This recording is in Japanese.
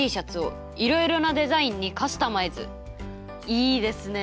いいですね。